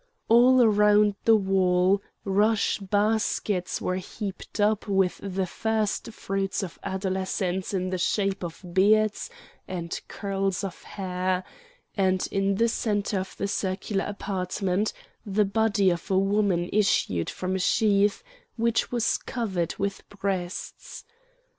All round the wall rush baskets were heaped up with the first fruits of adolescence in the shape of beards and curls of hair; and in the centre of the circular apartment the body of a woman issued from a sheath which was covered with breasts.